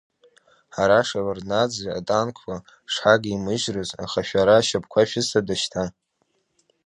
Ҳара Шеварднаӡе атанкқәа шҳагимыжьрыз, аха шәара ашьапқәа шәызҭода шьҭа?!